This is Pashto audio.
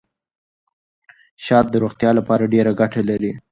شات د روغتیا لپاره ډېره ګټه لري.